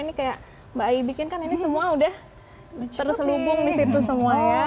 ini kayak mbak ayi bikin kan ini semua udah terselubung disitu semua ya